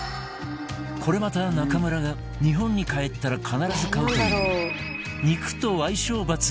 これまた中村が日本に帰ったら必ず買うという